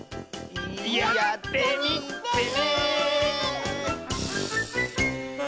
やってみてね！